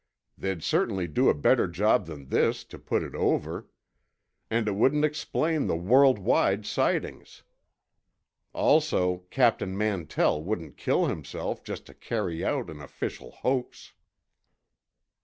They'd certainly do a better job than this, to put it over. And it wouldn't explain the world wide sightings. Also, Captain Mantell wouldn't kill himself just to carry out an official hoax."